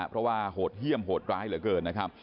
เพราะว่าโหดเหี้ยมโหดร้ายเหลือเกิน